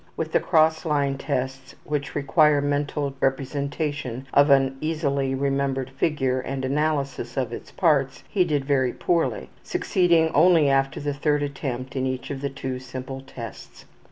With the cross line tests, which require mental representation of an easily remembered figure and analysis of its parts, he did very poorly, succeeding only after the third attempt in each of the two simple tests.